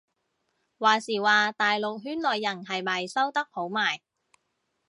話時話大陸圈內人係咪收得好埋